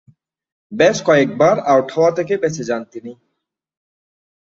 বেশ কয়েকবার আউট হওয়া থেকে বেঁচে যান তিনি।